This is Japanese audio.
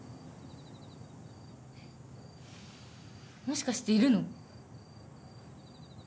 もしかしているの？